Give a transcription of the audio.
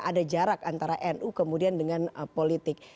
ada jarak antara nu kemudian dengan politik